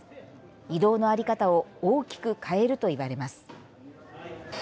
移動の在り方を大きく変えるといわれます。